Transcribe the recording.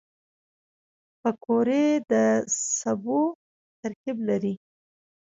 پکورې د سبو ترکیب لري